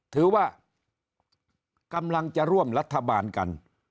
ถือว่ากำลังจะร่วมรัฐบาลกัน